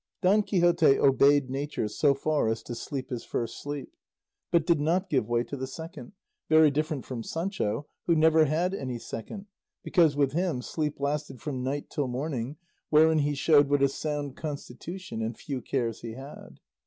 Don Quixote obeyed nature so far as to sleep his first sleep, but did not give way to the second, very different from Sancho, who never had any second, because with him sleep lasted from night till morning, wherein he showed what a sound constitution and few cares he had.